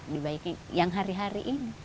dibagi yang hari hari ini